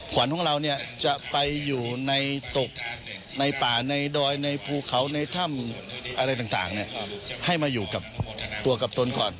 ขวัญของเราเนี่ยจะไปอยู่ในตกในป่าในดอยในภูเขาในถ้ำอะไรต่างให้มาอยู่กับตัวกับตนก่อน